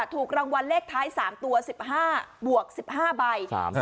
ถูกรางวัลเลขท้าย๓ตัว๑๕บวก๑๕ใบ